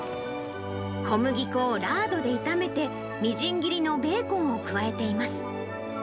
小麦粉をラードで炒めて、みじん切りのベーコンを加えています。